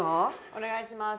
お願いします